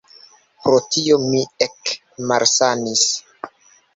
Pro tio mi ekmalsanis.